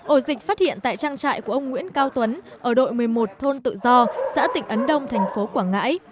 ổ dịch phát hiện tại trang trại của ông nguyễn cao tuấn ở đội một mươi một thôn tự do xã tỉnh ấn đông tp quảng ngãi